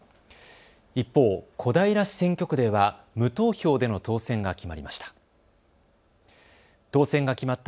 一方、小平市選挙区では無投票での当選が決まりました。